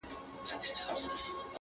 ستنيدل به په بېغمه زړه تر کوره.!